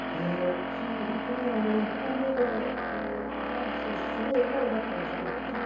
昨日、１本目で高梨選手はすごい笑顔だったでしょ。